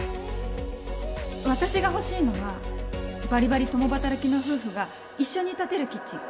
私が欲しいのはばりばり共働きの夫婦が一緒に立てるキッチン。